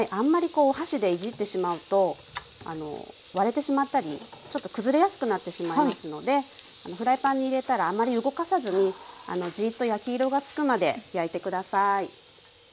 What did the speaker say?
こうお箸でいじってしまうと割れてしまったりちょっと崩れやすくなってしまいますのでフライパンに入れたらあまり動かさずにじっと焼き色が付くまで焼いて下さい。